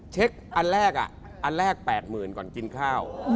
เช็คอันแรกอะอันแรก๘๐๐๐๐ก่อนกินข้าว